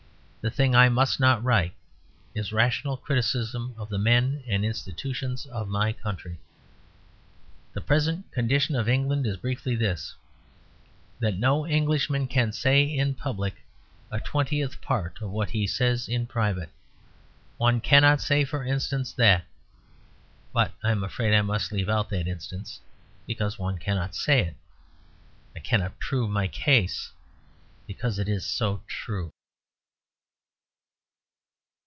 The thing I must not write is rational criticism of the men and institutions of my country. The present condition of England is briefly this: That no Englishman can say in public a twentieth part of what he says in private. One cannot say, for instance, that But I am afraid I must leave out that instance, because one cannot say it. I cannot prove my case because it is so true.